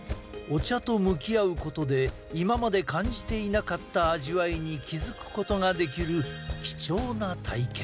お茶と向き合うことで今まで感じていなかった味わいに気付くことができる貴重な体験。